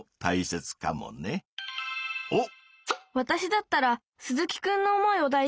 おっ！